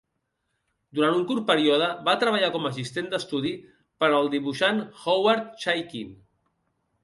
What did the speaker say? Durant un curt període va treballar com a assistent d'estudi per al dibuixant Howard Chaykin.